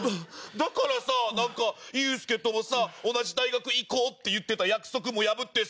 だからさなんかユウスケともさ「同じ大学行こう」って言ってた約束も破ってさ。